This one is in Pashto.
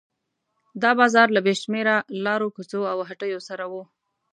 دا بازار له بې شمېره لارو کوڅو او هټیو سره و.